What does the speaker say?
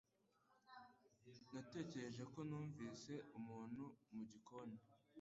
Natekereje ko numvise umuntu mugikoni